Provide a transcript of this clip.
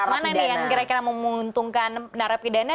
kita lihat mana ini yang kira kira menguntungkan narapidana